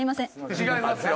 違いますよ。